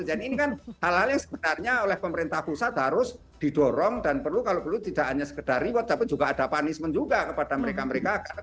jadi ini kan hal hal yang sebenarnya oleh pemerintah pusat harus didorong dan perlu kalau perlu tidak hanya sekedar reward tapi juga ada punishment juga kepada mereka mereka